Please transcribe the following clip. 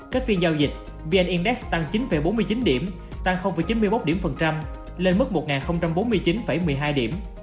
kết phiên giao dịch vn index tăng chín bốn mươi chín điểm tăng chín mươi một điểm phần trăm lên mức một bốn mươi chín một mươi hai điểm